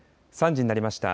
３時になりました。